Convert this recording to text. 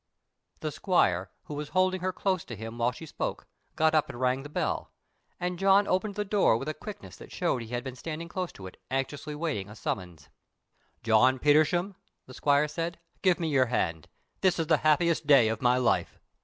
The squire, who was holding her close to him while she spoke, got up and rang the bell, and John opened the door with a quickness that showed that he had been standing close to it, anxiously waiting a summons. "John Petersham," the squire said, "give me your hand; this is the happiest day of my life!"